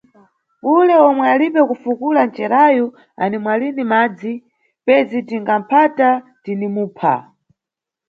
Ule yomwe alibe kufukula ncerayu animwa lini madzi, pezi tinga phata, tini mupha.